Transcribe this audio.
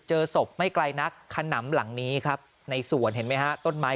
เจอศพไม่ไกลนักขนำหลังนี้ครับในสวนเห็นไหมฮะต้นไม้